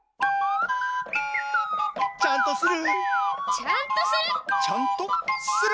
ちゃんとする？